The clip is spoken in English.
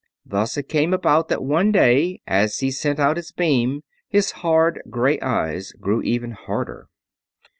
Thus it came about that one day, as he sent out his beam, his hard gray eyes grew even harder.